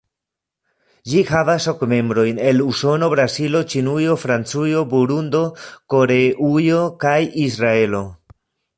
Ĝi havas ok membrojn, el Usono, Brazilo, Ĉinujo, Francujo, Burundo, Koreujo kaj Israelo.